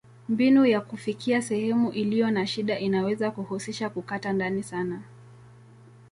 Mbinu ya kufikia sehemu iliyo na shida inaweza kuhusisha kukata ndani sana.